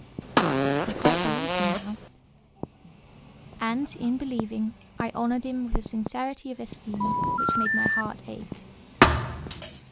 I quite believed him now; and, in believing, I honoured him with a sincerity of esteem which made my heart ache.